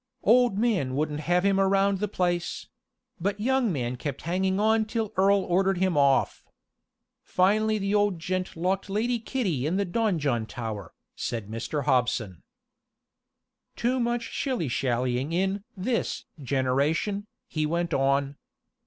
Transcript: Old man wouldn't have him around the place; but young man kept hanging on till Earl ordered him off. Finally the old gent locked Lady Kitty in the donjon tower," said Mr. Hobson. "Too much shilly shallying in this generation," he went on.